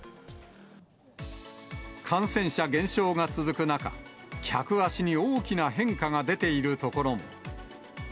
感染者減少が続く中、客足に大きな変化が出ている所も。